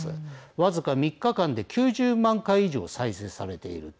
僅か３日間で９０万回以上再生されていると。